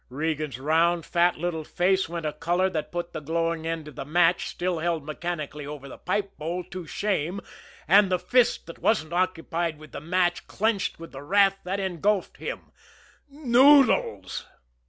Regan's round, fat little face went a color that put the glowing end of the match, still held mechanically over the pipe bowl, to shame, and the fist that wasn't occupied with the match clenched with the wrath that engulfed him Noodles!